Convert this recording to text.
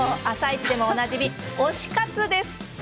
「あさイチ」でもおなじみ推し活です。